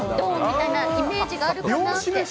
みたいなイメージがあるかなって。